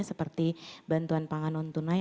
seperti bantuan pangan non tunai